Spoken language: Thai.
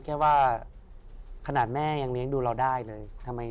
แค่ว่าขนาดแม่ยังเลี้ยงดูเราได้เลย